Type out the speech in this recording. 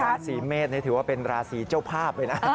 ราศีเมษนี่ถือว่าเป็นราศีเจ้าภาพเลยนะ